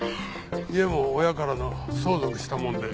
家も親からのを相続したもので。